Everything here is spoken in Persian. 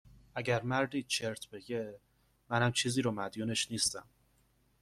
اگر مردی چرت بگه، منم چیزی رو مدیونش نیستم